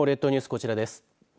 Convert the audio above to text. こちらです。